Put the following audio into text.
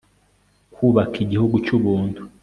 kubaka igihugu cyubuntu